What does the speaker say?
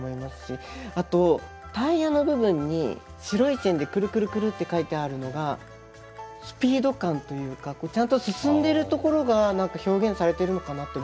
あとタイヤの部分に白い線でクルクルクルって描いてあるのがスピード感というかちゃんと進んでるところが表現されてるのかなと僕思いまして。